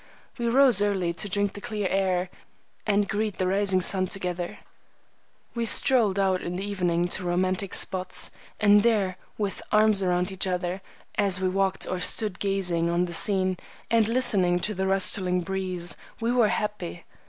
We rose early to drink the clear air and greet the rising sun together. We strolled out in the evening to romantic spots, and there, with arms around each other, as we walked or stood gazing on the scene and listening to the rustling breeze, we were happy.